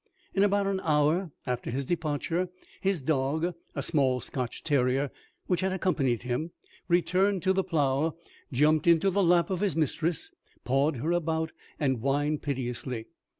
In about an hour after his departure, his dog, a small Scotch terrier, which had accompanied him, returned to the Plough, jumped into the lap of his mistress, pawed her about, and whined piteously.